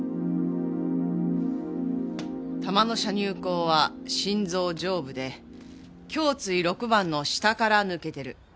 弾の射入口は心臓上部で胸椎６番の下から抜けてる。